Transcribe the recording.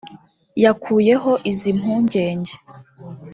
yakuyeho izi mpungenge